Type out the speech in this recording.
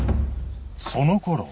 そのころ悲